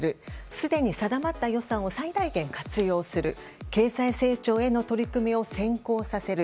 すでに定まった予算を最大限活用する経済成長への取り組みを先行させる。